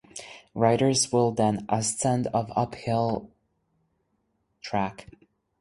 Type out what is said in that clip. Riders will then ascend of uphill track.